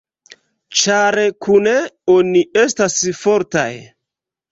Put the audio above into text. Ĉar kune oni estas fortaj.